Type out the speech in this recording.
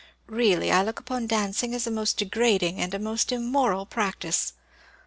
Really, I look upon dancing as a most degrading and a most immoral practice.